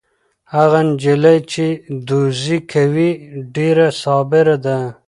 هغه نجلۍ چې دوزي کوي ډېره صابره ده.